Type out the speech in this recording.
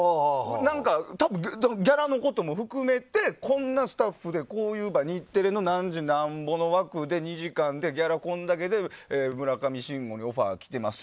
ギャラのことも含めてこんなスタッフでこういう日テレの何時なんぼの枠で２時間で、ギャラこんだけで村上信五にオファー来てます。